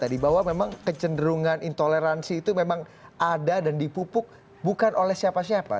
jadi pak ars itu memang kecenderungan intoleransi itu memang ada dan dipupuk bukan oleh siapa siapa